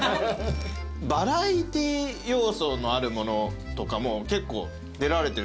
バラエティー要素のあるものとかも結構出られてるじゃないですか。